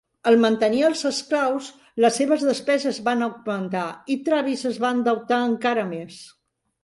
Al mantenir els esclaus, les seves despeses van augmentar i Travis es va endeutar encara més.